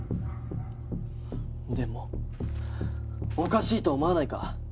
でもおかしいと思わないか？